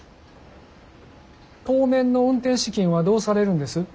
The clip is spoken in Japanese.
当面の運転資金はどうされるんです？